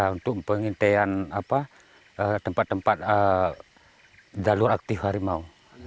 untuk pengintaian tempat tempat jalur aktif harimau